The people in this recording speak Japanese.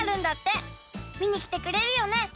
みにきてくれるよね？